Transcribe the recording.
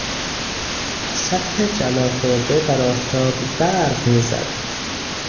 سطح جلا خورده در آفتاب برق میزد.